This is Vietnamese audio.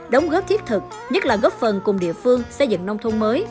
đóng góp thiết thực nhất là góp phần cùng địa phương xây dựng nông thôn mới